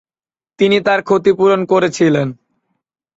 তিনি তার ক্ষতি পূরণ করেছিলেন।